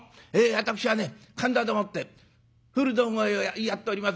私はね神田でもって古道具屋をやっております